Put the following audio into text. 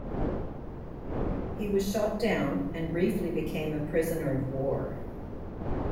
He was shot down and briefly became a prisoner of war.